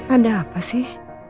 ada apa sih